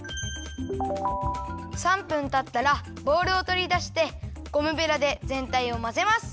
３分たったらボウルをとりだしてゴムベラでぜんたいをまぜます！